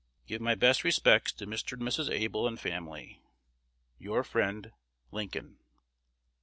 Give my best respects to Mr. and Mrs. Able and family. Your friend, Lincoln.